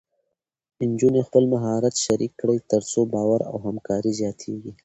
نجونې خپل مهارت شریک کړي، تر څو باور او همکاري زیاتېږي.